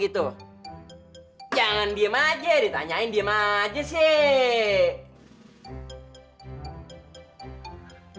itu jangan diem aja ditanyain diem aja sih